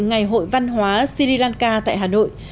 ngày hội văn hóa sri lanka tại hà nội